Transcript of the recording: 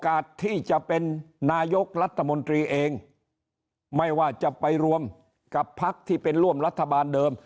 ที่จะเป็นนายกรัฐมนตรีเองไม่ว่าจะไปรวมกับพักที่เป็นร่วมรัฐบาลเดิม